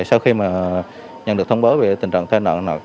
sau khi mà nhận được thông báo về tình trạng tai nạn